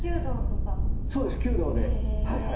そうです弓道で。